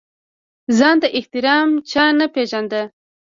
ځان ته احترام چا نه پېژانده.